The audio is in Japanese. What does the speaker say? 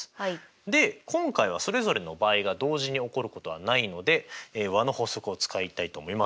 で今回はそれぞれの場合が同時に起こることはないので和の法則を使いたいと思います。